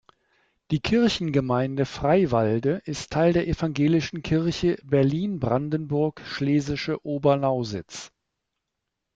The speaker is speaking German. Die Kirchengemeinde Freiwalde ist Teil der Evangelischen Kirche Berlin-Brandenburg-schlesische Oberlausitz.